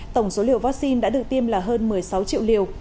tổng số liều vaccine đã được tiêm là hơn một mươi sáu triệu liều